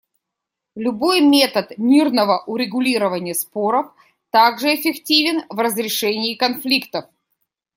Любой метод мирного урегулирования споров также эффективен в разрешении конфликтов.